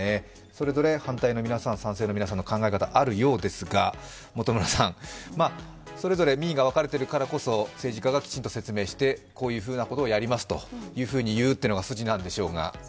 それぞれ反対の皆さん、賛成の皆さん、考え方があるようですが、それぞれ民意が分かれているからこそ、政治家がきちんと説明してこういうふうなことをやりますと言うのが筋なんでしょうが。